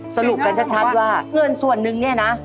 สรุปกันชัดว่าเงินส่วนนึงเนี่ยนะ